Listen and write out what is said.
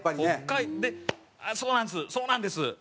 北海そうなんです！